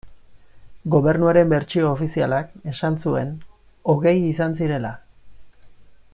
Gobernuaren bertsio ofizialak esan zuen hogei izan zirela.